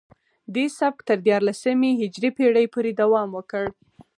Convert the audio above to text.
دې سبک تر دیارلسمې هجري پیړۍ پورې دوام وکړ